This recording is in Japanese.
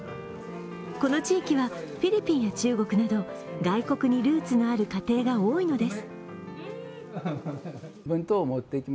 この地域はフィリピンや中国など外国にルーツのある家庭が多いのです。